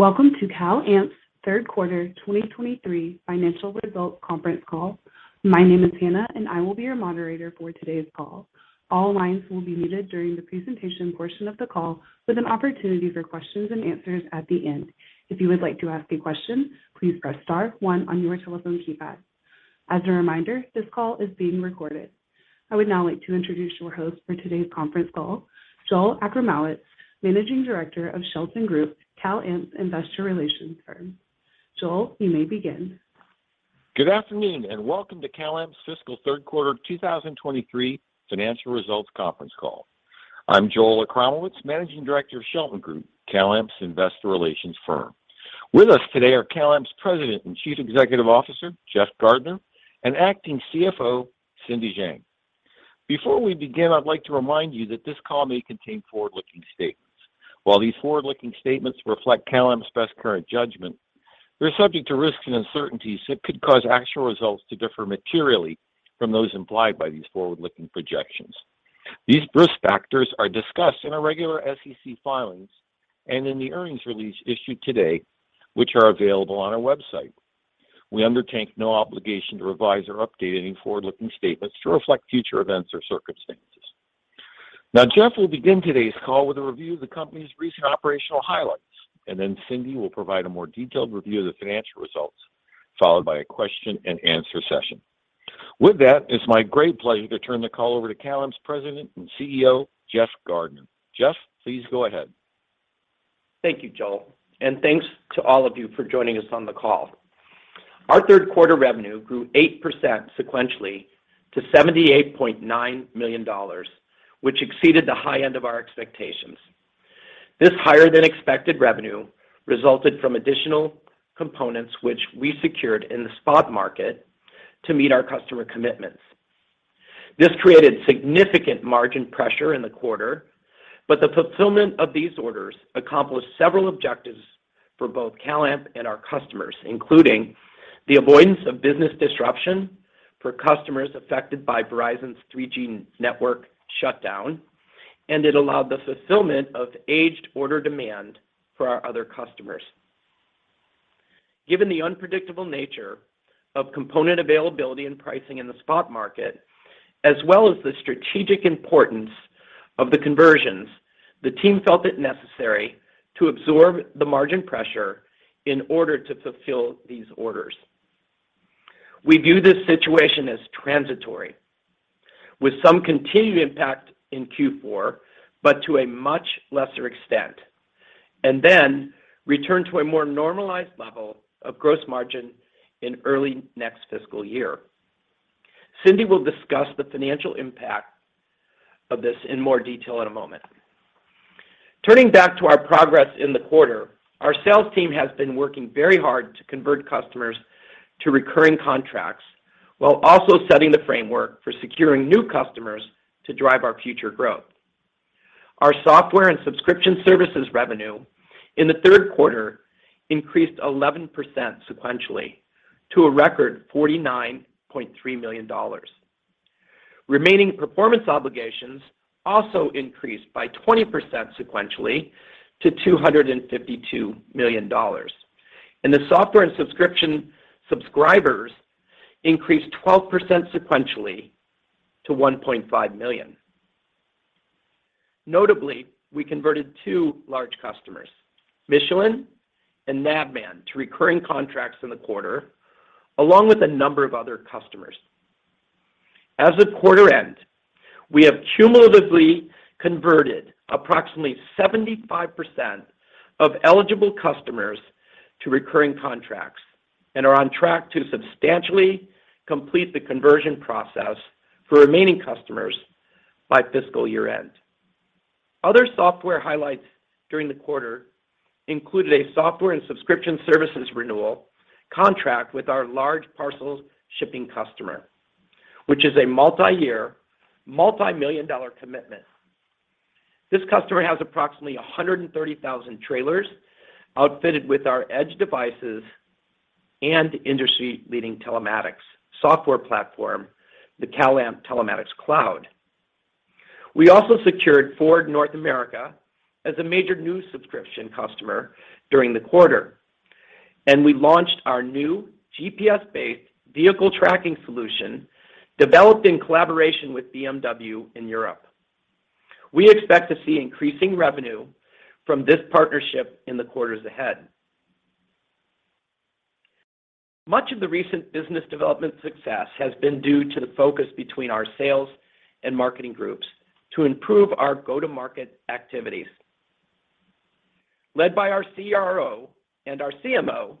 Welcome to CalAmp's Third Quarter 2023 Financial Results Conference Call. My name is Hannah, and I will be your moderator for today's call. All lines will be muted during the presentation portion of the call, with an opportunity for Q&A at the end. If you would like to ask a question, please press star one on your telephone keypad. As a reminder, this call is being recorded. I would now like to introduce your host for today's conference call, Joel Achramowicz, Managing Director of Shelton Group, CalAmp's investor relations firm. Joel, you may begin. Good afternoon, welcome to CalAmp's fiscal third quarter 2023 financial results conference call. I'm Joel Achramowicz, Managing Director of Shelton Group, CalAmp's investor relations firm. With us today are CalAmp's President and Chief Executive Officer, Jeff Gardner, and acting CFO, Cindy Zhang. Before we begin, I'd like to remind you that this call may contain forward-looking statements. While these forward-looking statements reflect CalAmp's best current judgment, they're subject to risks and uncertainties that could cause actual results to differ materially from those implied by these forward-looking projections. These risk factors are discussed in our regular SEC filings and in the earnings release issued today, which are available on our website. We undertake no obligation to revise or update any forward-looking statements to reflect future events or circumstances. Now, Jeff will begin today's call with a review of the company's recent operational highlights, and then Cindy will provide a more detailed review of the financial results, followed by a Q&A session. With that, it's my great pleasure to turn the call over to CalAmp's President and CEO, Jeff Gardner. Jeff, please go ahead. Thank you, Joel, and thanks to all of you for joining us on the call. Our third quarter revenue grew 8% sequentially to $78.9 million, which exceeded the high end of our expectations. This higher than expected revenue resulted from additional components which we secured in the spot market to meet our customer commitments. This created significant margin pressure in the quarter, but the fulfillment of these orders accomplished several objectives for both CalAmp and our customers, including the avoidance of business disruption for customers affected by Verizon's 3G network shutdown, and it allowed the fulfillment of aged order demand for our other customers. Given the unpredictable nature of component availability and pricing in the spot market, as well as the strategic importance of the conversions, the team felt it necessary to absorb the margin pressure in order to fulfill these orders. We view this situation as transitory, with some continued impact in Q4, but to a much lesser extent, then return to a more normalized level of gross margin in early next fiscal year. Cindy will discuss the financial impact of this in more detail in a moment. Turning back to our progress in the quarter, our sales team has been working very hard to convert customers to recurring contracts while also setting the framework for securing new customers to drive our future growth. Our software and subscription services revenue in the third quarter increased 11% sequentially to a record $49.3 million. Remaining performance obligations also increased by 20% sequentially to $252 million. The software and subscription subscribers increased 12% sequentially to 1.5 million. Notably, we converted two large customers, Michelin and Navman, to recurring contracts in the quarter, along with a number of other customers. As of quarter end, we have cumulatively converted approximately 75% of eligible customers to recurring contracts and are on track to substantially complete the conversion process for remaining customers by fiscal year-end. Other software highlights during the quarter included a software and subscription services renewal contract with our large parcels shipping customer, which is a multi-year, multi-million dollar commitment. This customer has approximately 130,000 trailers outfitted with our Edge devices and industry-leading telematics software platform, the CalAmp Telematics Cloud. We launched our new GPS-based vehicle tracking solution developed in collaboration with BMW in Europe. We expect to see increasing revenue from this partnership in the quarters ahead. Much of the recent business development success has been due to the focus between our sales and marketing groups to improve our go-to-market activities. Led by our CRO and our CMO,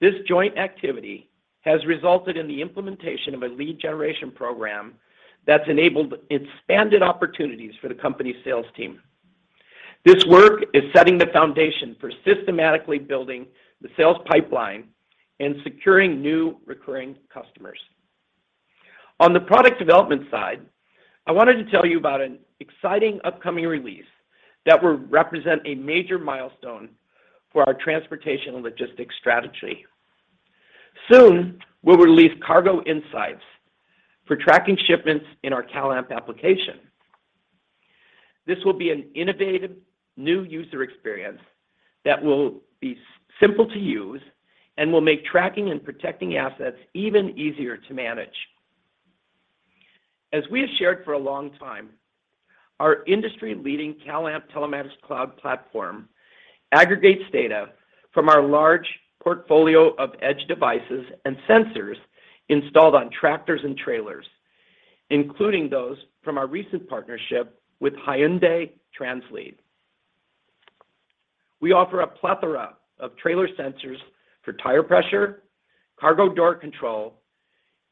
this joint activity has resulted in the implementation of a lead generation program that's enabled expanded opportunities for the company's sales team. This work is setting the foundation for systematically building the sales pipeline and securing new recurring customers. On the product development side, I wanted to tell you about an exciting upcoming release that will represent a major milestone for our transportation and logistics strategy. Soon, we'll release Cargo Insights for tracking shipments in our CalAmp application. This will be an innovative new user experience that will be simple to use and will make tracking and protecting assets even easier to manage. As we have shared for a long time, our industry-leading CalAmp Telematics Cloud platform aggregates data from our large portfolio of Edge devices and sensors installed on tractors and trailers, including those from our recent partnership with Hyundai Translead. We offer a plethora of trailer sensors for tire pressure, cargo door control,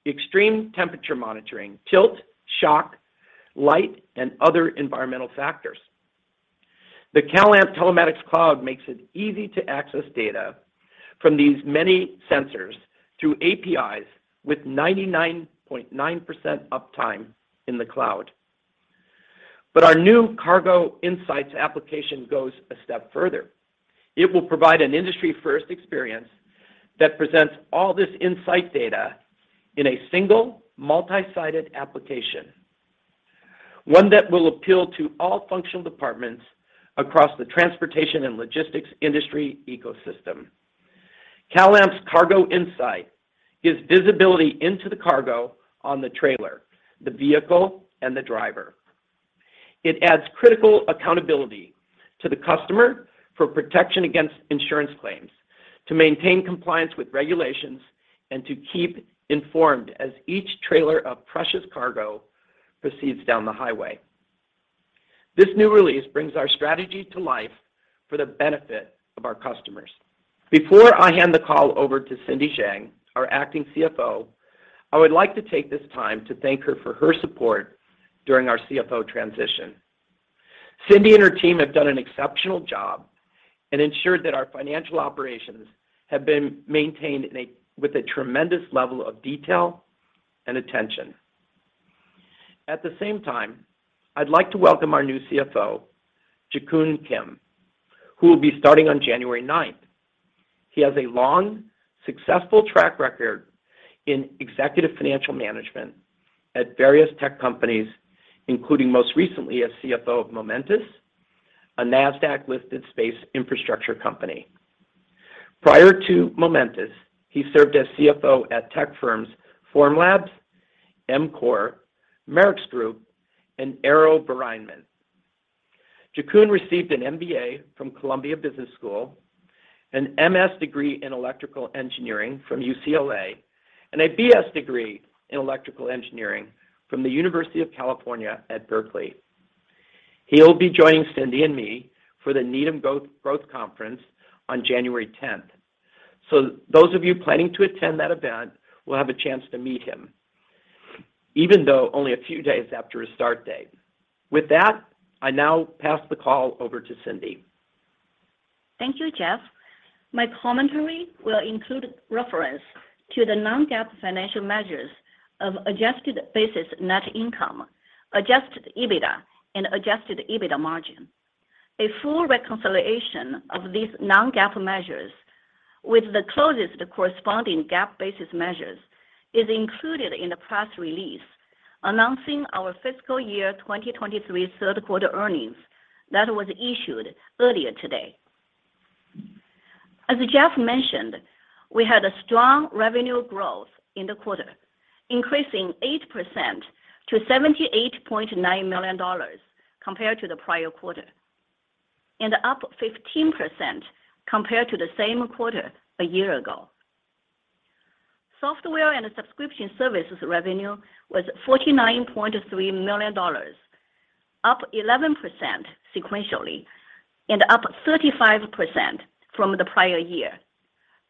extreme temperature monitoring, tilt, shock, light, and other environmental factors. The CalAmp Telematics Cloud makes it easy to access data from these many sensors through APIs with 99.9% uptime in the cloud. Our new Cargo Insights application goes a step further. It will provide an industry-first experience that presents all this insight data in a single multi-sided application, one that will appeal to all functional departments across the transportation and logistics industry ecosystem. CalAmp's Cargo Insights gives visibility into the cargo on the trailer, the vehicle, and the driver. It adds critical accountability to the customer for protection against insurance claims, to maintain compliance with regulations, and to keep informed as each trailer of precious cargo proceeds down the highway. This new release brings our strategy to life for the benefit of our customers. Before I hand the call over to Cindy Zhang, our acting CFO, I would like to take this time to thank her for her support during our CFO transition. Cindy and her team have done an exceptional job and ensured that our financial operations have been maintained with a tremendous level of detail and attention. At the same time, I'd like to welcome our new CFO, Jikun Kim, who will be starting on January ninth. He has a long, successful track record in executive financial management at various tech companies, including most recently as CFO of Momentus, a Nasdaq-listed space infrastructure company. Prior to Momentus, he served as CFO at tech firms Formlabs, EMCORE, Merex Group, and AeroVironment. Jikun received an MBA from Columbia Business School, an MS degree in electrical engineering from UCLA, and a BS degree in electrical engineering from the University of California at Berkeley. He'll be joining Cindy and me for the Needham Growth Conference on January 10th. Those of you planning to attend that event will have a chance to meet him, even though only a few days after his start date. With that, I now pass the call over to Cindy. Thank you, Jeff. My commentary will include reference to the non-GAAP financial measures of adjusted basis net income, adjusted EBITDA, and adjusted EBITDA margin. A full reconciliation of these non-GAAP measures with the closest corresponding GAAP-basis measures is included in the press release announcing our fiscal year 2023 third quarter earnings that was issued earlier today. As Jeff mentioned, we had a strong revenue growth in the quarter, increasing 8% to $78.9 million compared to the prior quarter, and up 15% compared to the same quarter a year ago. Software and subscription services revenue was $49.3 million, up 11% sequentially and up 35% from the prior year,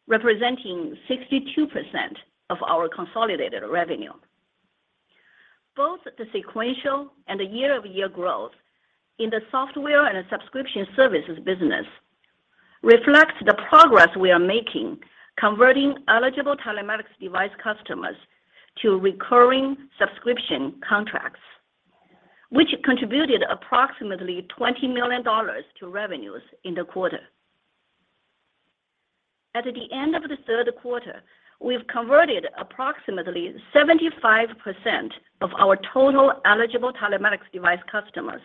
representing 62% of our consolidated revenue. Both the sequential and the year-over-year growth in the software and subscription services business reflects the progress we are making converting eligible telematics device customers to recurring subscription contracts, which contributed approximately $20 million to revenues in the quarter. At the end of the third quarter, we've converted approximately 75% of our total eligible telematics device customers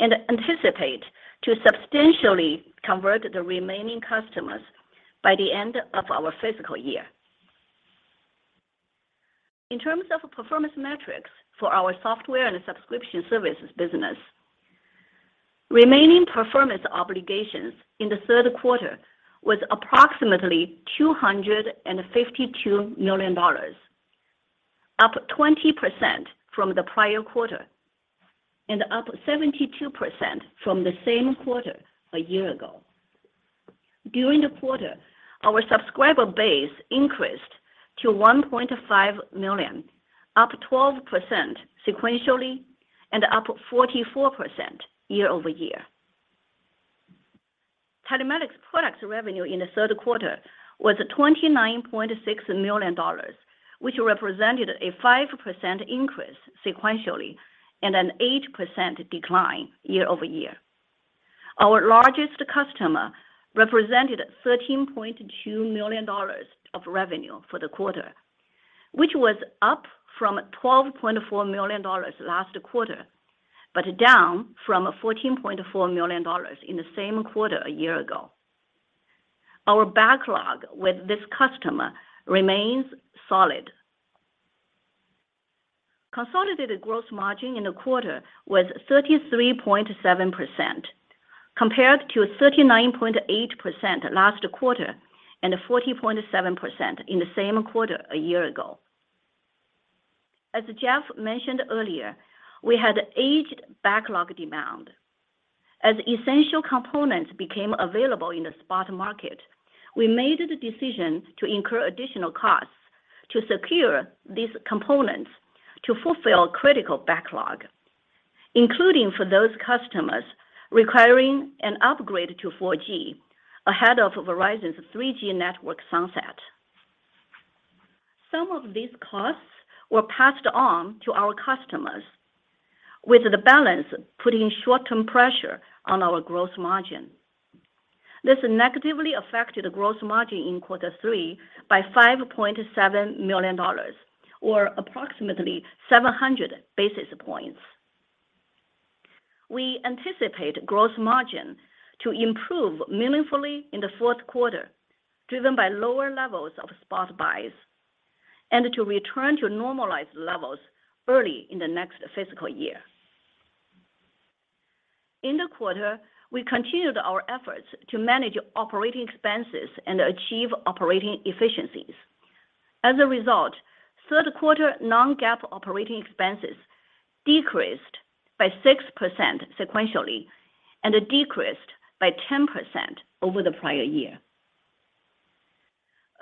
and anticipate to substantially convert the remaining customers by the end of our fiscal year. In terms of performance metrics for our software and subscription services business, remaining performance obligations in the third quarter was approximately $252 million, up 20% from the prior quarter and up 72% from the same quarter a year ago. During the quarter, our subscriber base increased to 1.5 million, up 12% sequentially and up 44% year-over-year. Telematics products revenue in the third quarter was $29.6 million, which represented a 5% increase sequentially and an 8% decline year-over-year. Our largest customer represented $13.2 million of revenue for the quarter, which was up from $12.4 million last quarter, but down from $14.4 million in the same quarter a year ago. Our backlog with this customer remains solid. Consolidated gross margin in the quarter was 33.7% compared to 39.8% last quarter and 40.7% in the same quarter a year ago. As Jeff mentioned earlier, we had aged backlog demand. As essential components became available in the spot market, we made the decision to incur additional costs to secure these components to fulfill critical backlog, including for those customers requiring an upgrade to 4G ahead of Verizon's 3G network sunset. Some of these costs were passed on to our customers, with the balance putting short-term pressure on our gross margin. This negatively affected gross margin in quarter three by $5.7 million or approximately 700 basis points. We anticipate gross margin to improve meaningfully in the fourth quarter, driven by lower levels of spot buys and to return to normalized levels early in the next fiscal year. In the quarter, we continued our efforts to manage operating expenses and achieve operating efficiencies. As a result, third quarter non-GAAP operating expenses decreased by 6% sequentially and decreased by 10% over the prior year.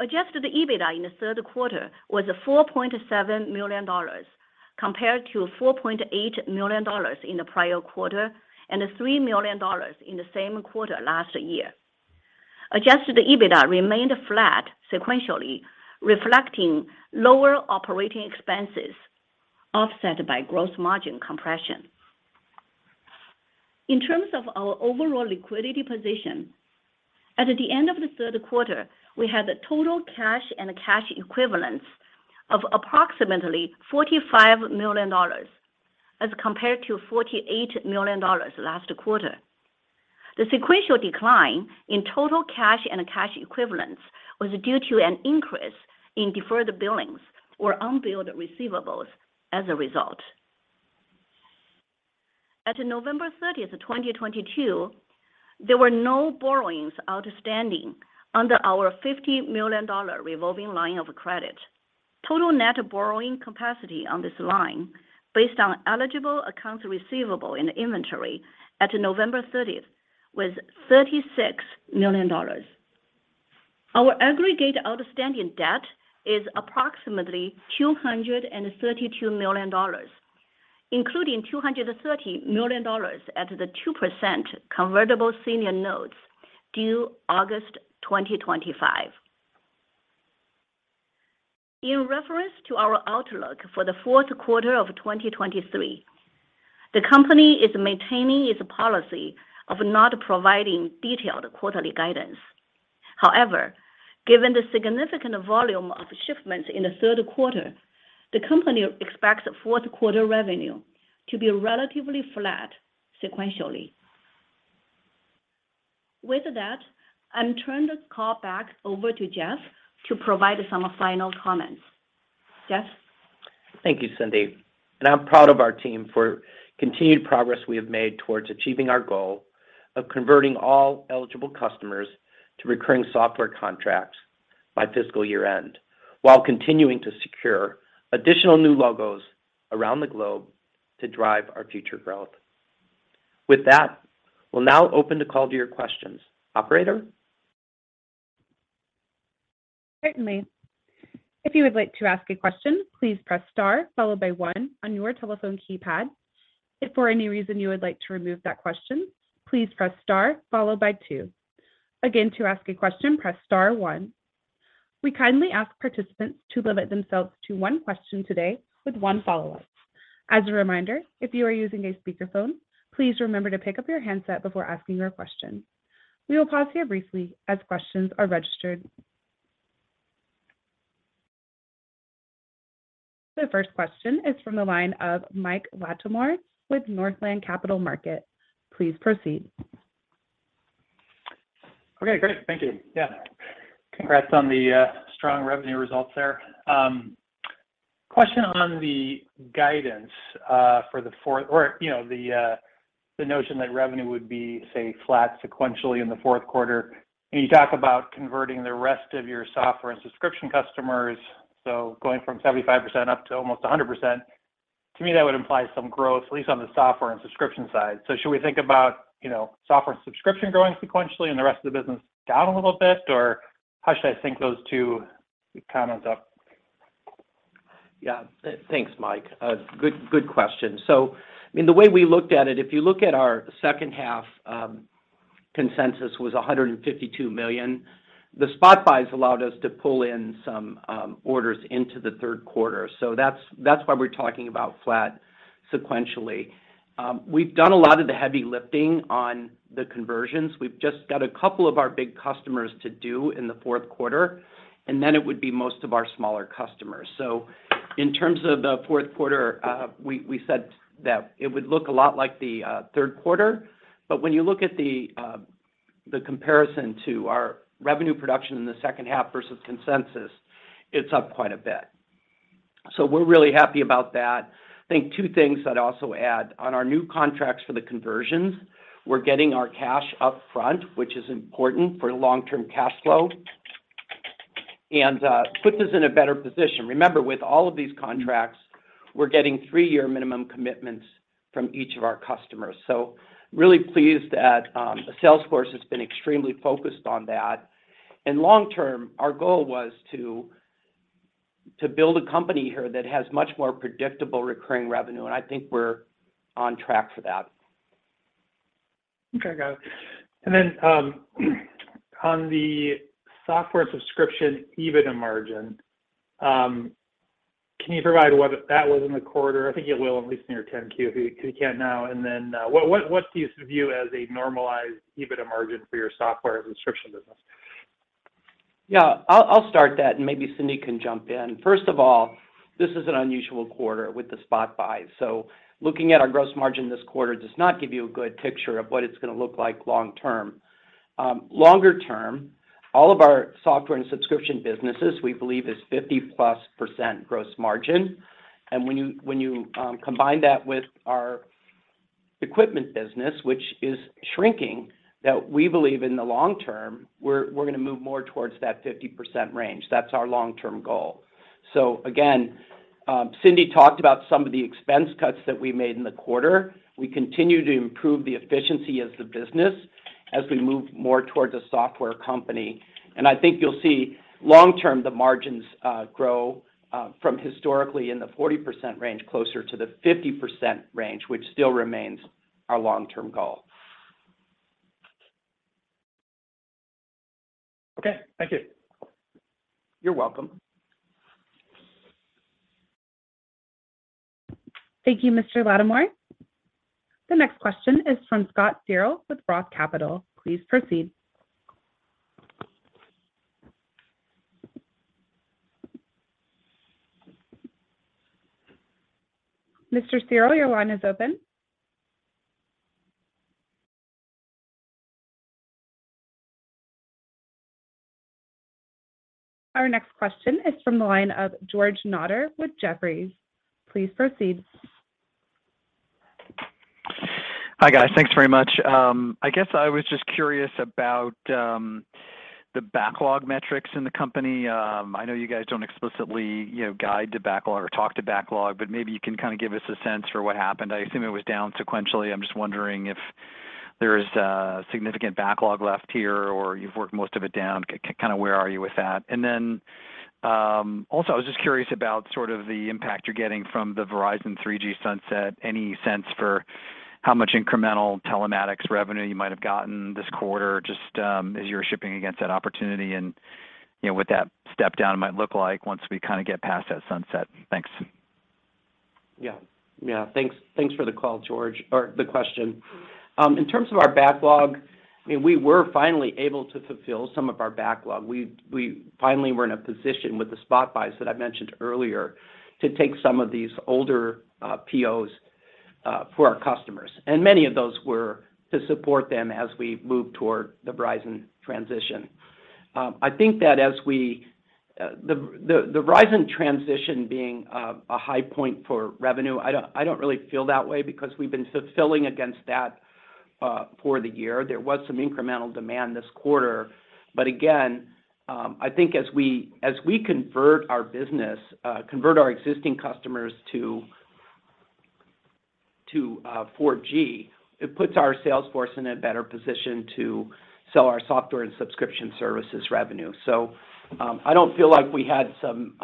Adjusted EBITDA in the third quarter was $4.7 million compared to $4.8 million in the prior quarter and $3 million in the same quarter last year. Adjusted EBITDA remained flat sequentially, reflecting lower operating expenses offset by gross margin compression. In terms of our overall liquidity position, at the end of the third quarter, we had total cash and cash equivalents of approximately $45 million as compared to $48 million last quarter. The sequential decline in total cash and cash equivalents was due to an increase in deferred billings or unbilled receivables as a result. As to November 30, 2022, there were no borrowings outstanding under our $50 million revolving line of credit. Total net borrowing capacity on this line based on eligible accounts receivable in inventory at November 30 was $36 million. Our aggregate outstanding debt is approximately $232 million, including $230 million at the 2.00% Convertible Senior Notes due 2025. In reference to our outlook for the fourth quarter of 2023, the company is maintaining its policy of not providing detailed quarterly guidance. Given the significant volume of shipments in the third quarter, the company expects fourth quarter revenue to be relatively flat sequentially. With that, I'll turn this call back over to Jeff to provide some final comments. Jeff? Thank you, Cindy. I'm proud of our team for continued progress we have made towards achieving our goal of converting all eligible customers to recurring software contracts by fiscal year-end, while continuing to secure additional new logos around the globe to drive our future growth. With that, we'll now open the call to your questions. Operator? Certainly. If you would like to ask a question, please press star followed by one on your telephone keypad. If for any reason you would like to remove that question, please press star followed by two. Again, to ask a question, press star one. We kindly ask participants to limit themselves to one question today with one follow-up. As a reminder, if you are using a speakerphone, please remember to pick up your handset before asking your question. We will pause here briefly as questions are registered. The first question is from the line of Mike Latimore with Northland Capital Markets. Please proceed. Okay, great. Thank you. Yeah. Congrats on the strong revenue results there. Question on the guidance or, you know, the notion that revenue would be, say, flat sequentially in the fourth quarter. You talk about converting the rest of your software and subscription customers, so going from 75% up to almost 100%. To me, that would imply some growth, at least on the software and subscription side. Should we think about, you know, software and subscription growing sequentially and the rest of the business down a little bit or how should I think those two? Yeah. Thanks, Mike. I mean, the way we looked at it, if you look at our second half, consensus was $152 million. The spot buys allowed us to pull in some orders into the third quarter. That's why we're talking about flat sequentially. We've done a lot of the heavy lifting on the conversions. We've just got a couple of our big customers to do in the fourth quarter, and then it would be most of our smaller customers. In terms of the fourth quarter, we said that it would look a lot like the third quarter, but when you look at the comparison to our revenue production in the second half versus consensus, it's up quite a bit. We're really happy about that. I think two things I'd also add. On our new contracts for the conversions, we're getting our cash up front, which is important for long-term cash flow and puts us in a better position. Remember, with all of these contracts, we're getting three-year minimum commitments from each of our customers. Really pleased that the sales force has been extremely focused on that. Long term, our goal was to build a company here that has much more predictable recurring revenue, and I think we're on track for that. Okay, got it. On the software subscription EBITDA margin, can you provide what that was in the quarter? I think you will at least in your 10-Q if you, if you can't now. What's the view as a normalized EBITDA margin for your software subscription business? Yeah. I'll start that. Maybe Cindy can jump in. First of all, this is an unusual quarter with the spot buys. Looking at our gross margin this quarter does not give you a good picture of what it's gonna look like long term. Longer term, all of our software and subscription businesses, we believe, is 50%+ gross margin. When you combine that with our equipment business, which is shrinking, that we believe in the long term, we're gonna move more towards that 50% range. That's our long-term goal. Again, Cindy talked about some of the expense cuts that we made in the quarter. We continue to improve the efficiency of the business as we move more towards a software company. I think you'll see long term, the margins, grow, from historically in the 40% range closer to the 50% range, which still remains our long-term goal. Okay. Thank you. You're welcome. Thank you, Mr. Latimore. The next question is from Scott Searle with ROTH Capital. Please proceed. Mr. Searle, your line is open. Our next question is from the line of George Notter with Jefferies. Please proceed. Hi, guys. Thanks very much. I guess I was just curious about the backlog metrics in the company. I know you guys don't explicitly, you know, guide to backlog or talk to backlog, maybe you can kind of give us a sense for what happened. I assume it was down sequentially. I'm just wondering if there's a significant backlog left here or you've worked most of it down. Kind of where are you with that? Also, I was just curious about sort of the impact you're getting from the Verizon 3G sunset. Any sense for how much incremental telematics revenue you might have gotten this quarter, just as you were shipping against that opportunity and, you know, what that step down might look like once we kinda get past that sunset? Thanks. Yeah. Yeah. Thanks for the call, George, or the question. In terms of our backlog, I mean, we were finally able to fulfill some of our backlog. We finally were in a position with the spot buys that I mentioned earlier to take some of these older POs for our customers. Many of those were to support them as we move toward the Verizon transition. I think that the Verizon transition being a high point for revenue, I don't really feel that way because we've been fulfilling against that for the year. There was some incremental demand this quarter. I think as we convert our business, convert our existing customers to 4G, it puts our sales force in a better position to sell our software and subscription services revenue. I don't feel like we had some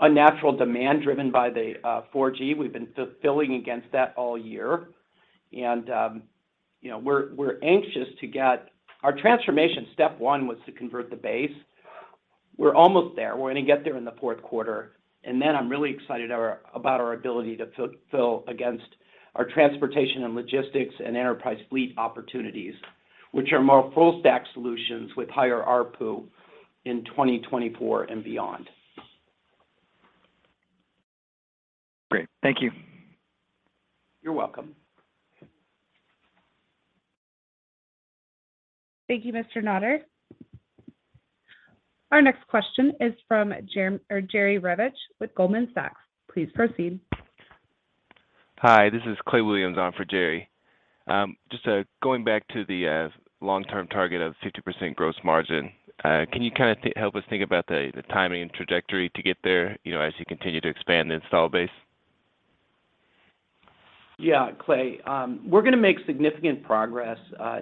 unnatural demand driven by the 4G. We've been fulfilling against that all year. You know, we're anxious. Our transformation step one was to convert the base. We're almost there. We're gonna get there in the fourth quarter. I'm really excited about our ability to fill against our transportation and logistics and enterprise fleet opportunities, which are more full stack solutions with higher ARPU in 2024 and beyond. Great. Thank you. You're welcome. Thank you, Mr. Notter. Our next question is from Jerry Revich with Goldman Sachs. Please proceed. Hi, this is Clay Williams on for Jerry. Just going back to the long-term target of 50% gross margin, can you help us think about the timing and trajectory to get there, you know, as you continue to expand the install base? Yeah, Clay. We're gonna make significant progress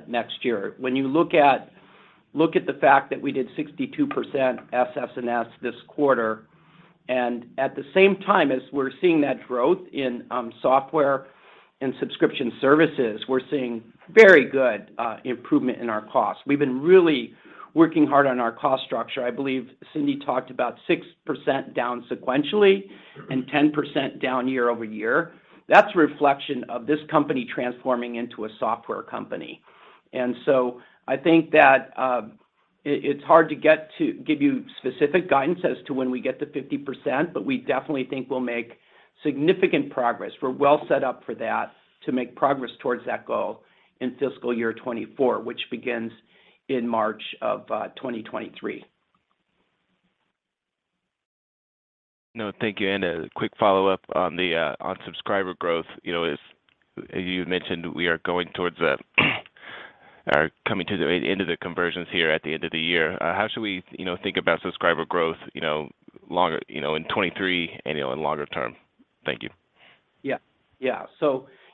next year. When you look at the fact that we did 62% SS&S this quarter. At the same time as we're seeing that growth in software and subscription services, we're seeing very good improvement in our costs. We've been really working hard on our cost structure. I believe Cindy talked about 6% down sequentially and 10% down year-over-year. That's a reflection of this company transforming into a software company. I think that it's hard to give you specific guidance as to when we get to 50%, but we definitely think we'll make significant progress. We're well set up for that to make progress towards that goal in fiscal year 2024, which begins in March of 2023. No, thank you. A quick follow-up on the on subscriber growth. You know, as you had mentioned, we are coming to the end of the conversions here at the end of the year. How should we, you know, think about subscriber growth, you know, longer, you know, in 2023 and, you know, in longer term? Thank you. Yeah. Yeah.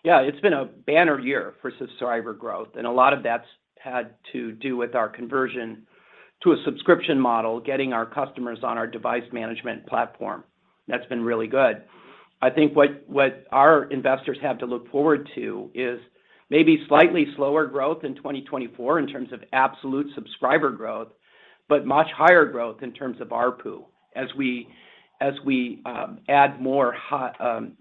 Yeah, it's been a banner year for subscriber growth, and a lot of that's had to do with our conversion to a subscription model, getting our customers on our device management platform. That's been really good. I think what our investors have to look forward to is maybe slightly slower growth in 2024 in terms of absolute subscriber growth, but much higher growth in terms of ARPU as we add more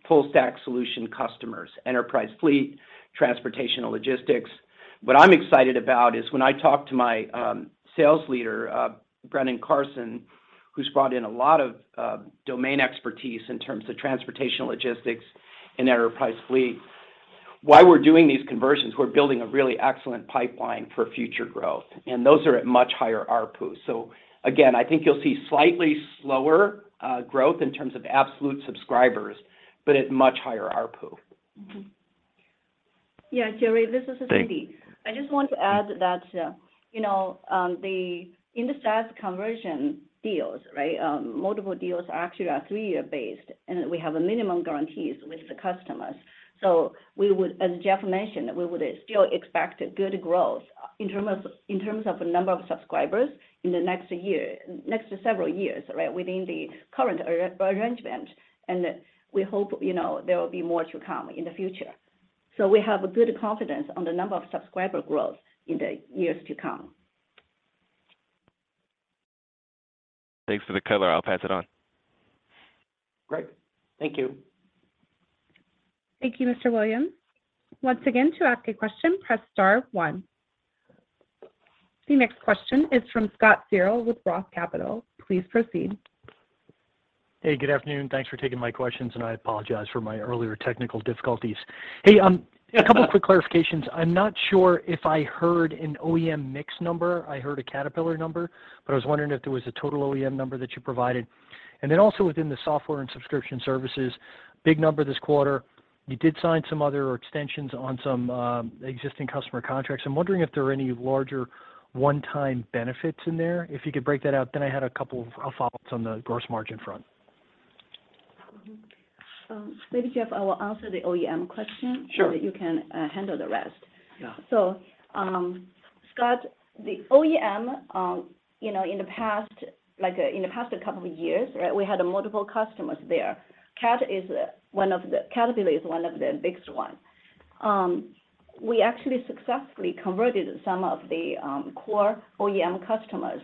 full stack solution customers, enterprise fleet, transportation and logistics. What I'm excited about is when I talk to my sales leader, Brendan Carson, who's brought in a lot of domain expertise in terms of transportation logistics and enterprise fleet. While we're doing these conversions, we're building a really excellent pipeline for future growth, and those are at much higher ARPU. Again, I think you'll see slightly slower, growth in terms of absolute subscribers, but at much higher ARPU. Yeah, Jerry, this is Cindy. Thank you. I just want to add that, you know, the into SaaS conversion deals, right, multiple deals actually are three-year based, and we have a minimum guarantees with the customers. We would, as Jeff mentioned, we would still expect good growth in terms of the number of subscribers in the next year, next several years, right, within the current arrangement, and we hope, you know, there will be more to come in the future. We have a good confidence on the number of subscriber growth in the years to come. Thanks for the color. I'll pass it on. Great. Thank you. Thank you, Mr. Williams. Once again, to ask a question, press star one. The next question is from Scott Searle with ROTH Capital. Please proceed. Hey, good afternoon. Thanks for taking my questions. I apologize for my earlier technical difficulties. Hey, a couple of quick clarifications. I'm not sure if I heard an OEM mix number. I heard a Caterpillar number, but I was wondering if there was a total OEM number that you provided. Also within the software and subscription services, big number this quarter, you did sign some other extensions on some existing customer contracts. I'm wondering if there are any larger one-time benefits in there, if you could break that out. I had a couple of follow-ups on the gross margin front. Maybe, Jeff, I will answer the OEM question. Sure But you can handle the rest. Yeah. Scott, the OEM, you know, in the past, like in the past couple of years, right, we had multiple customers there. Caterpillar is one of the biggest one. We actually successfully converted some of the core OEM customers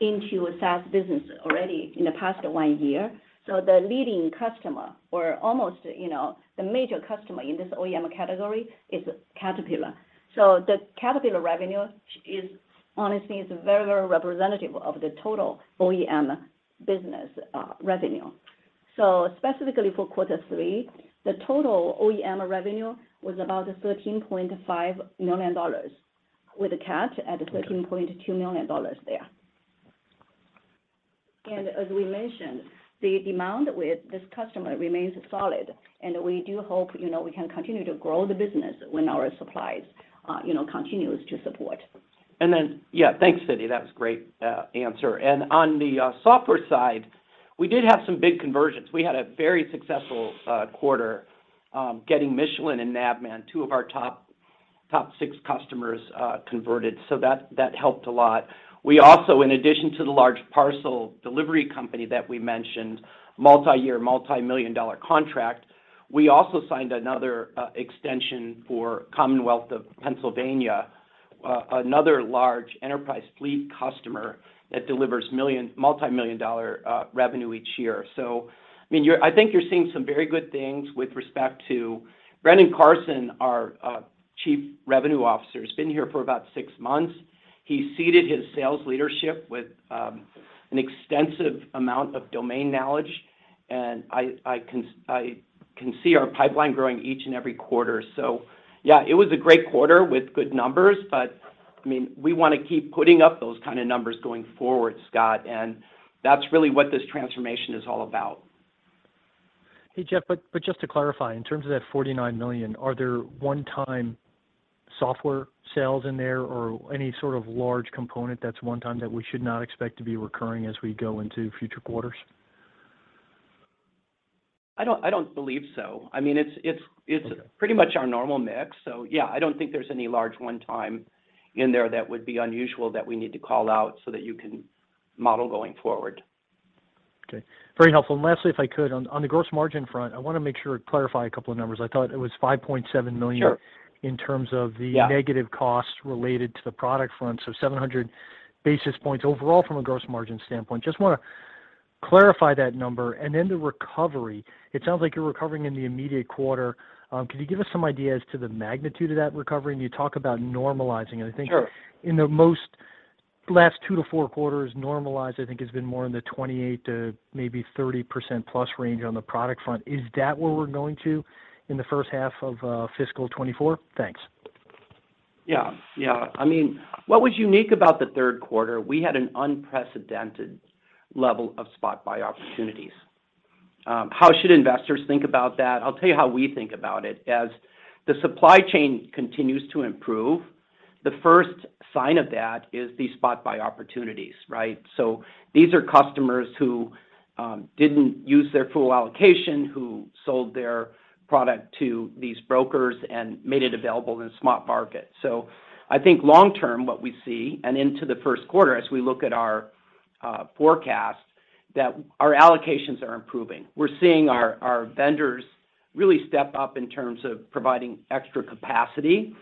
into a SaaS business already in the past one year. The leading customer or almost, you know, the major customer in this OEM category is Caterpillar. The Caterpillar revenue is honestly is very, very representative of the total OEM business revenue. Specifically for quarter three, the total OEM revenue was about $13.5 million, with Cat at $13.2 million there. As we mentioned, the demand with this customer remains solid, and we do hope, you know, we can continue to grow the business when our supplies, you know, continues to support. Thanks, Cindy. That was a great answer. On the software side, we did have some big conversions. We had a very successful quarter getting Michelin and Navman, two of our top six customers converted. That helped a lot. We also, in addition to the large parcel delivery company that we mentioned, multi-year, multi-million dollar contract, we also signed another extension for Commonwealth of Pennsylvania, another large enterprise fleet customer that delivers multi-million dollar revenue each year. I mean, I think you're seeing some very good things with respect to Brendan Carson, our Chief Revenue Officer. He's been here for about six months. He seeded his sales leadership with an extensive amount of domain knowledge, I can see our pipeline growing each and every quarter. Yeah, it was a great quarter with good numbers, but, I mean, we wanna keep putting up those kind of numbers going forward, Scott, and that's really what this transformation is all about. Hey, Jeff, just to clarify, in terms of that $49 million, are there one-time software sales in there or any sort of large component that's one time that we should not expect to be recurring as we go into future quarters? I don't believe so. I mean, it's pretty much our normal mix. Yeah, I don't think there's any large one time in there that would be unusual that we need to call out so that you can model going forward. Okay, very helpful. Lastly, if I could, on the gross margin front, I want to make sure to clarify a couple of numbers. I thought it was $5.7 million in terms of negative costs related to the product front. 700 basis points overall from a gross margin standpoint. Just wanna clarify that number and then the recovery. It sounds like you're recovering in the immediate quarter. Could you give us some idea as to the magnitude of that recovery? You talk about normalizing. Sure. In the most last two to four quarters, normalized, I think, has been more in the 28%-30%+ range on the product front. Is that where we're going to in the first half of fiscal 2024? Thanks. I mean, what was unique about the third quarter, we had an unprecedented level of spot buy opportunities. How should investors think about that? I'll tell you how we think about it. As the supply chain continues to improve, the first sign of that is the spot buy opportunities, right? These are customers who didn't use their full allocation, who sold their product to these brokers and made it available in the spot market. I think long term, what we see, and into the first quarter as we look at our forecast, that our allocations are improving. We're seeing our vendors really step up in terms of providing extra capacity,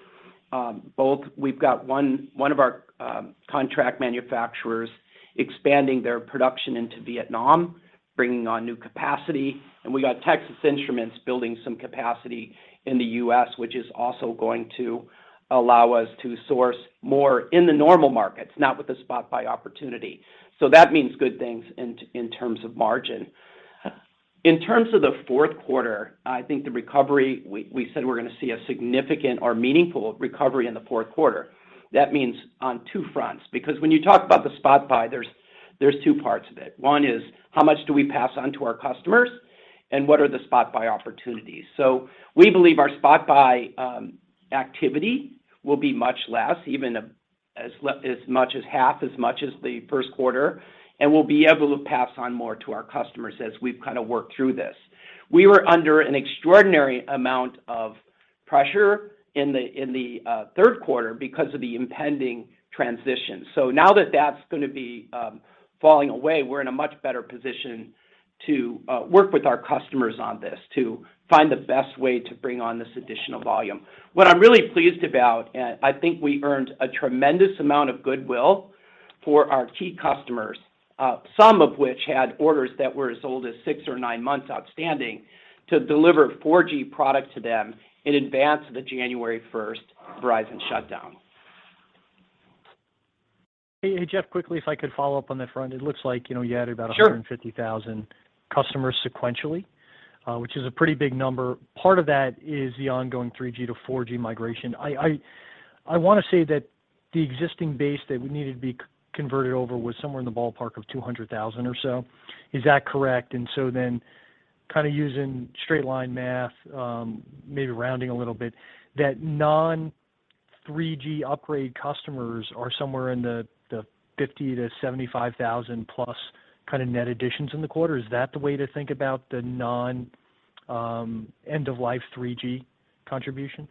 both. We've got one of our contract manufacturers expanding their production into Vietnam, bringing on new capacity. We got Texas Instruments building some capacity in the U.S., which is also going to allow us to source more in the normal markets, not with the spot buy opportunity. That means good things in terms of margin. In terms of the fourth quarter, I think the recovery, we said we're going to see a significant or meaningful recovery in the fourth quarter. That means on two fronts, because when you talk about the spot buy, there's two parts of it. One is, how much do we pass on to our customers, and what are the spot buy opportunities? We believe our spot buy activity will be much less, even as much as half as much as the first quarter, and we'll be able to pass on more to our customers as we've kind of worked through this. We were under an extraordinary amount of pressure in the third quarter because of the impending transition. Now that that's gonna be falling away, we're in a much better position to work with our customers on this to find the best way to bring on this additional volume. What I'm really pleased about, and I think we earned a tremendous amount of goodwill for our key customers, some of which had orders that were as old as six or nine months outstanding, to deliver 4G product to them in advance of the January 1st Verizon shutdown. Hey, Jeff, quickly, if I could follow up on that front. It looks like, you know, you added 150,000 customers sequentially, which is a pretty big number. Part of that is the ongoing 3G to 4G migration. I wanna say that the existing base that we needed to be converted over was somewhere in the ballpark of 200,000 or so. Is that correct? Kinda using straight line math, maybe rounding a little bit, that non-3G upgrade customers are somewhere in the 50,000-75,000 plus kinda net additions in the quarter. Is that the way to think about the non, end of life 3G contribution?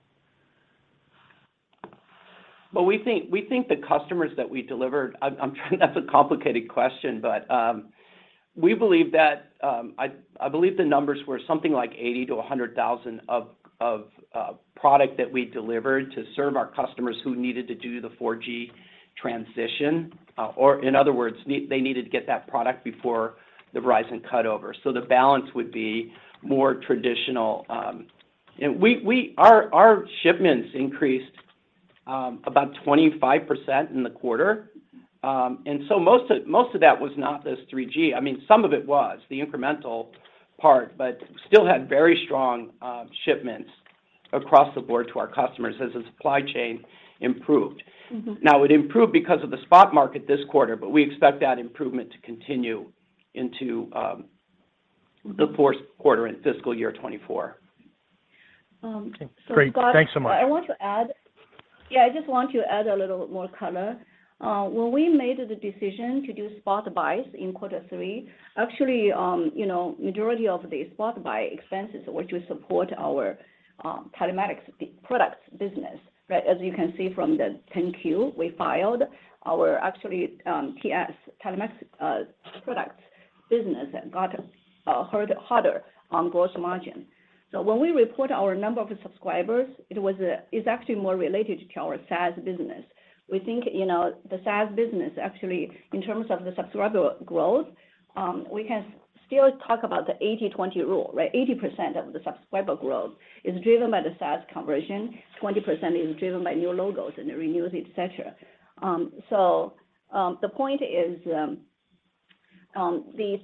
We think the customers that we delivered. I'm trying, that's a complicated question. We believe that. I believe the numbers were something like 80,000-100,000 of product that we delivered to serve our customers who needed to do the 4G transition. In other words, they needed to get that product before the Verizon cut over. The balance would be more traditional. Our shipments increased about 25% in the quarter. Most of that was not this 3G. I mean, some of it was, the incremental part, but still had very strong shipments across the board to our customers as the supply chain improved. Now, it improved because of the spot market this quarter, but we expect that improvement to continue into the fourth quarter in fiscal year 2024. Okay. Great. So Scott. Thanks so much. I want to add. Yeah, I just want to add a little more color. When we made the decision to do spot buys in Q3, actually, you know, majority of the spot buy expenses were to support our telematics products business, right? As you can see from the 10-Q we filed, our actually, telematics products business got harder on gross margin. When we report our number of subscribers, it's actually more related to our SaaS business. We think, you know, the SaaS business, actually, in terms of the subscriber growth, we can still talk about the 80/20 rule, right? 80% of the subscriber growth is driven by the SaaS conversion, 20% is driven by new logos and the renewals, et cetera. The point is, the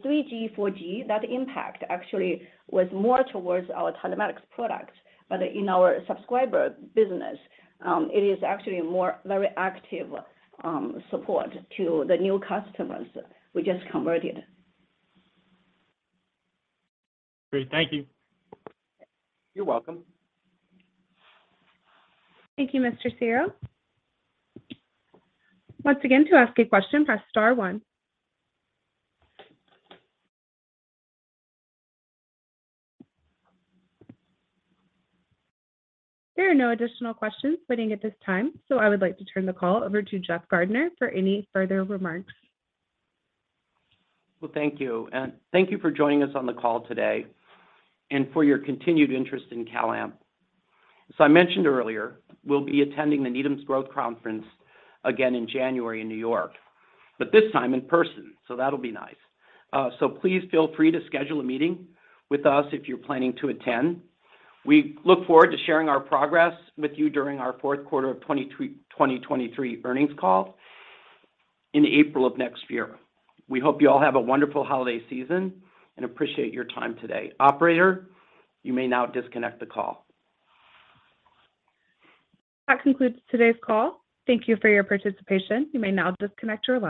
3G, 4G, that impact actually was more towards our telematics products. In our subscriber business, it is actually more very active support to the new customers we just converted. Great. Thank you. You're welcome. Thank you, Mr. Searle. Once again, to ask a question, press star one. There are no additional questions waiting at this time. I would like to turn the call over to Jeff Gardner for any further remarks. Well, thank you. Thank you for joining us on the call today and for your continued interest in CalAmp. As I mentioned earlier, we'll be attending the Needham Growth Conference again in January in New York, but this time in person, so that'll be nice. Please feel free to schedule a meeting with us if you're planning to attend. We look forward to sharing our progress with you during our fourth quarter of 2023 earnings call in April of next year. We hope you all have a wonderful holiday season and appreciate your time today. Operator, you may now disconnect the call. That concludes today's call. Thank you for your participation. You may now disconnect your line.